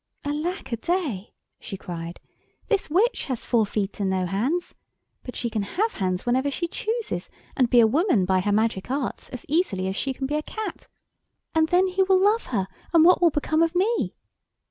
"Alack a day!" she cried. "This witch has four feet and no hands; but she can have hands whenever she chooses, and be a woman by her magic arts as easily as she can be a cat. And then he will love her—and what will become of me?